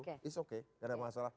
it's okay tidak ada masalah